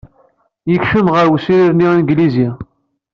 Yekcem ɣer wesrir-nni anglizi.